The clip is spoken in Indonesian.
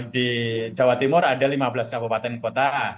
di jawa timur ada lima belas kabupaten kota